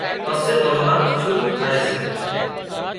پسي وڻوا شُروع ٿائي سي